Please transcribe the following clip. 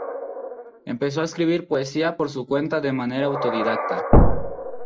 Empezó a escribir poesía por su cuenta de manera autodidacta.